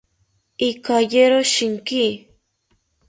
Ikayero shinki